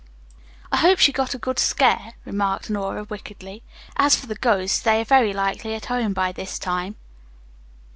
"I hope she got a good scare," remarked Nora wickedly. "As for the ghosts, they are very likely at home by this time."